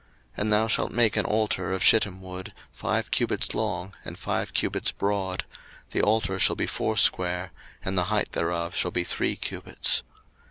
02:027:001 And thou shalt make an altar of shittim wood, five cubits long, and five cubits broad; the altar shall be foursquare: and the height thereof shall be three cubits.